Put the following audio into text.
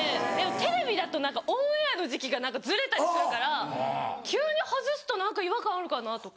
テレビだとオンエアの時期がずれたりするから急に外すと何か違和感あるかなとか。